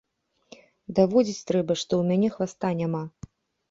Даводзіць трэба, што ў мяне хваста няма.